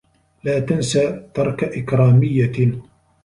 لا تنس ترك إكراميّة.